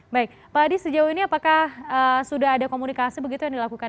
baik pak adi sejauh ini apakah sudah ada komunikasi begitu yang dilakukan